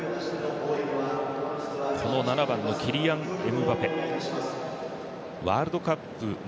７番のキリアン・エムバペワールドカップ２０１８